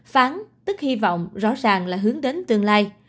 phán tức hy vọng rõ ràng là hướng đến tương lai